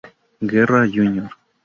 Guerra Jr.